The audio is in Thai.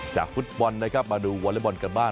จากฝุ่ตบอลนะครับมาดูวอลเลเบิ้ลกลบ้าน